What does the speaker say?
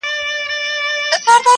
چي پرون مي د نيکونو وو، نن زما دی!!